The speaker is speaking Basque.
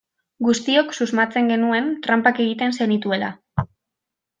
Guztiok susmatzen genuen tranpak egiten zenituela.